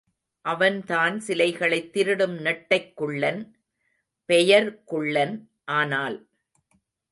அவன் தான் சிலைகளைத் திருடும் நெட்டைக்குள்ளன்— பெயர் குள்ளன் ஆனால்.